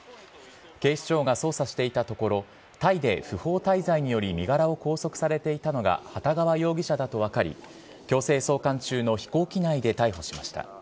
警視庁が捜査していたところ、タイで不法滞在により身柄を拘束されていたのが、幟川容疑者だと分かり、強制送還中の飛行機内で逮捕しました。